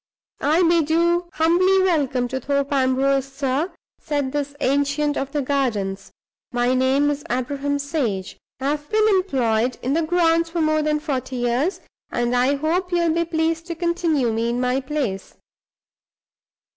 "I bid you humbly welcome to Thorpe Ambrose, sir," said this ancient of the gardens. "My name is Abraham Sage. I've been employed in the grounds for more than forty years; and I hope you'll be pleased to continue me in my place."